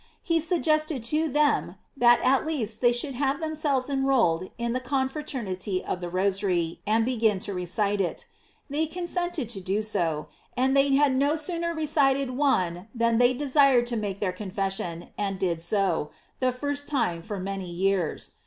He suggested to them that at least they should have themselves enrolled in the confraternity of the Rosary, and begin to recite it. They consented to do so, and they had no sooner recited one than they desir ed to make their confession, and did so, the first time for many years.